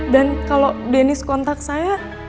dan kalau dennis kontak saya